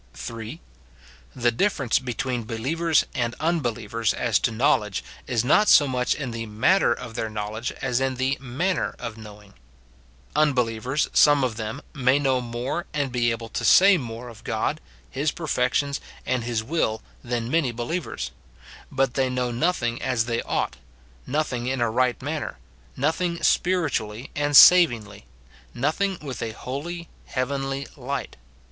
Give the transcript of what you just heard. [3.] The difference between believers and unbelievers as to knowledge is not so much in the matter of their knowledge as in the 7nanner of knowing. Unbelievers some of them, may know more and be able to say more of God, his perfections, and his will, than many be lievers ; but they know nothing as they ought, nothing in a right manner, nothing spiritually and savingly, nothing with a holy, heavenly light.